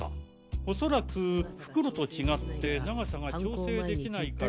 おそらく袋と違って長さが調整できないから。